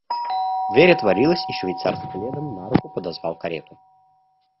Дверь отворилась, и швейцар с пледом на руку подозвал карету.